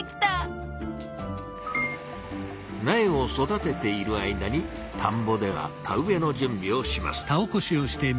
苗を育てている間に田んぼでは田植えの準備をします。